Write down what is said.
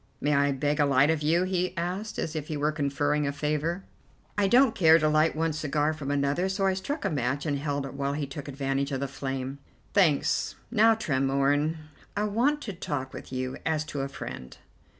"May I beg a light of you?" he asked, as if he were conferring a favour. I don't care to light one cigar from another, so I struck a match and held it while he took advantage of the flame. "Thanks. Now, Tremorne, I want to talk with you as to a friend.